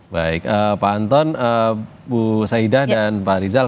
baik pak anton bu saidah dan pak rizal